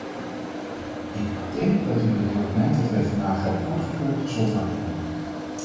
Ik denk dat u het document dat wij vandaag hebben goedgekeurd, zult waarderen.